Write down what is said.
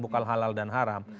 bukan halal dan haram